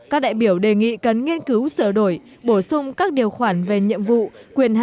các đại biểu đề nghị cần nghiên cứu sửa đổi bổ sung các điều khoản về nhiệm vụ